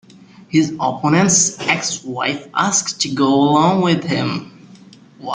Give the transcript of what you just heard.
His opponent's ex-wife asks to go along with him.